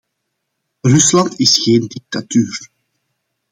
Rusland is geen dictatuur.